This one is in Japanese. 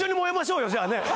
じゃあねぇ。